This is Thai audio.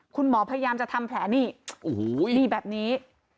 คุณหมอพยายามจะทำแผลนี่โอ้โหนี่แบบนี้